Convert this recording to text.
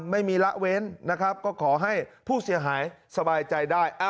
ไม่มีละเว้นนะครับก็ขอให้ผู้เสียหายสบายใจได้